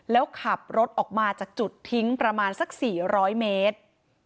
แล้วขับรถออกมาจากจุดทิ้งประมาณสัก๔๐๐เมตร